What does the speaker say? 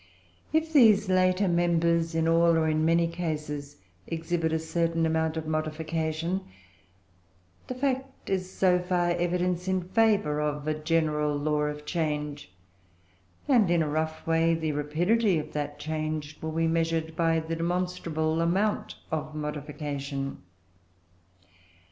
If these later members, in all or in many cases, exhibit a certain amount of modification, the fact is, so far, evidence in favour of a general law of change; and, in a rough way, the rapidity of that change will be measured by the demonstrable amount of modification.